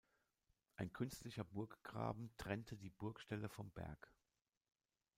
Ein künstlicher Burggraben trennte die Burgstelle vom Berg.